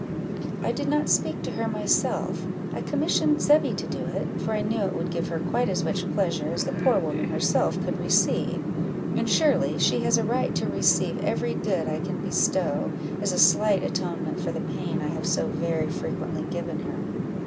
"I did not speak to her myself I commissioned Zebby to do it, for I knew it would give her quite as much pleasure as the poor woman herself could receive; and surely she has a right to receive every good I can bestow, as a slight atonement for the pain I have so very frequently given her."